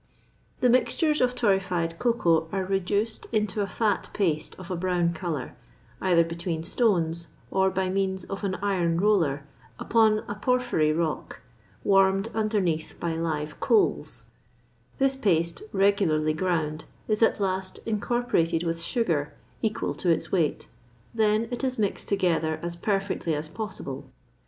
The mixtures of torrefied cocoa are reduced into a fat paste of a brown colour, either between stones, or by means of an iron roller upon a porphyry rock, warmed underneath by live coals; this paste, regularly ground, is at last incorporated with sugar, equal to its weight, then it is mixed together as perfectly as possible.